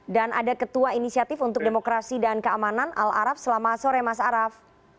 dan ada ketua inisiatif untuk demokrasi dan keamanan al araf selamat sore mas araf